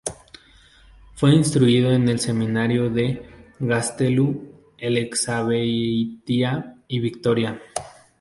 Fue instruido en el seminario de Gaztelu-Elexabeitia y Vitoria.